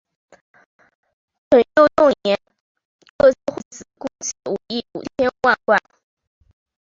淳佑六年各界会子共计六亿五千万贯。